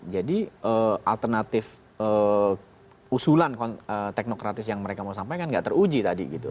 jadi alternatif usulan teknokratis yang mereka mau sampaikan gak teruji tadi